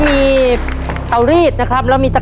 ครอบครัวของแม่ปุ้ยจังหวัดสะแก้วนะครับ